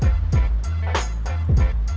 macet yang itu